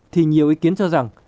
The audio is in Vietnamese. thì nhiều ý kiến cho rằng